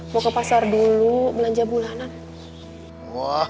mau ke pasar dulu belanja bulanan